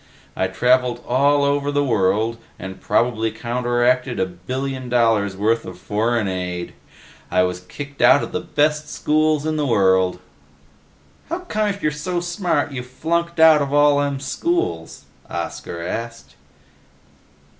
I traveled all over the world and probably counteracted a billion dollars' worth of foreign aid. I was kicked out of the best schools in the world." "How come if you're so smart you flunked out of all them schools?" Oscar asked.